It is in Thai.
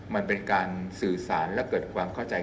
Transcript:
มันเป็นการสื่อสารและเกิดความเข้าใจ